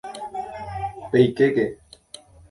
¡Peikéke!